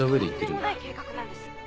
とんでもない計画なんです。